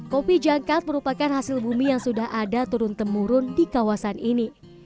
kopi jangkat merupakan hasil bumi yang sudah ada turun temurun di kawasan ini